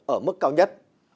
ở mức cao nhất